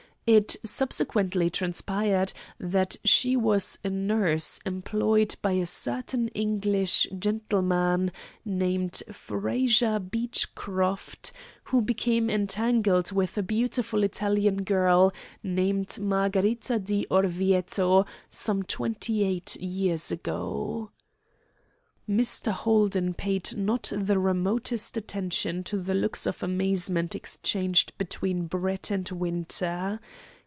It subsequently transpired that she was a nurse employed by a certain English gentleman named Fraser Beechcroft, who became entangled with a beautiful Italian girl named Margarita di Orvieto some twenty eight years ago." Mr. Holden paid not the remotest attention to the looks of amazement exchanged between Brett and Winter.